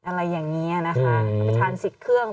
อะไรอย่างนี้นะคะเอาไปทาน๑๐เครื่อง